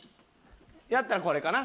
やったらこれかな？